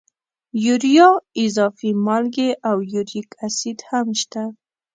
یوریا، اضافي مالګې او یوریک اسید هم شته.